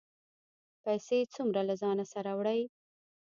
پیسې څومره له ځانه سره وړئ؟